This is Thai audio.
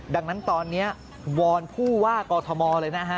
ดังนั้นตอนนี้วอนผู้ว่ากอทมเลยนะฮะ